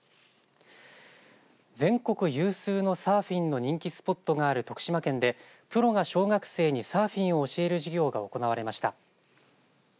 全国有数のサーフィンの人気スポットがある徳島県でプロが小学生にサーフィンを教える授業が行われました。